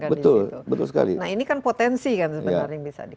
nah ini kan potensi kan sebenarnya